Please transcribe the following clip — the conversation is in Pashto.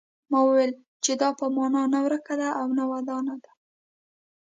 ما وویل چې دا په ما نه ورکه ده او نه ودانه ده.